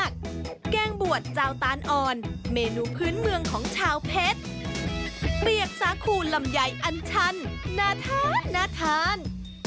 แกงบวชเจ้าตานอ่อนเมนูพื้นเมืองของชาวเพชรเปียกสาคูลำไยอันชันน่าทานน่าทาน